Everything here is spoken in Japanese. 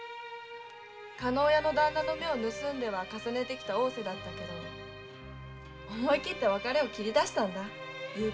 加納屋の旦那の目を盗んでは重ねてきた逢瀬だったけど思い切って昨夜あたしから別れを切り出したんだ。